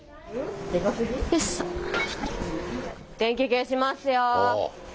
電気消しますよパチッ。